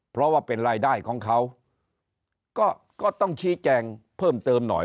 เพราะว่าเป็นรายได้ของเขาก็ต้องชี้แจงเพิ่มเติมหน่อย